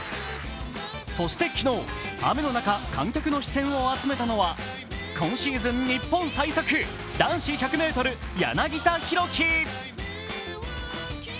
そして昨日雨の中観客の視線を集めたのは今シーズン日本最速男子１００ｍ、柳田大輝。